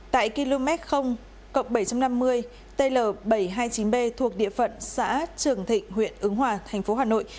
tại km bảy trăm năm mươi tl bảy trăm hai mươi chín b thuộc địa phận xã trường thịnh huyện ứng hòa thành phố hà nội